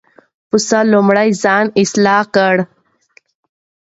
پس لومړی ځان اصلاح کړئ.